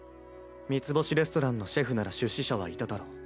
三ツ星レストランのシェフなら出資者はいただろう。